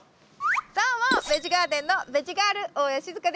どうもベジガーデンのベジガール大家志津香です。